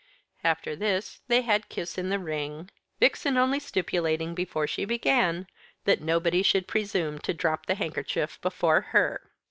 After this they had Kiss in the Ring; Vixen only stipulating, before she began, that nobody should presume to drop the handkerchief before her.